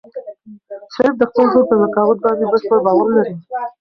شریف د خپل زوی په ذکاوت باندې بشپړ باور لري.